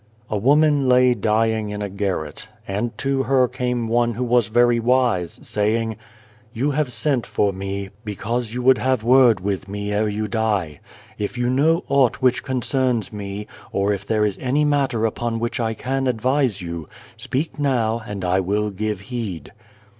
A woman lay dying in a garret, and to her came one who was very wise, saying, " You have sent for me, because you would have word with me ere you die. If you know aught which concerns me, or if there is any matter upon which I can advise you, speak now, and I will give heed."